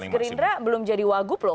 gerindra belum jadi wagub loh